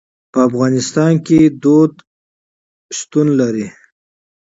په افغانستان کې کلتور شتون لري.